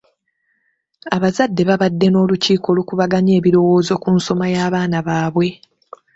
Abazadde babadde n'olukiiko okukubaganya ebirowoozo ku nsoma y'abaana baabwe.